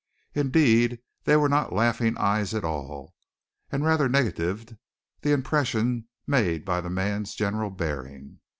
Indeed they were not laughing eyes at all, and rather negatived the impression made by the man's general bearing.